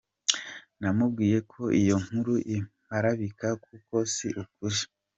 Namubwiye ko iyo nkuru imparabika kuko si ukuri.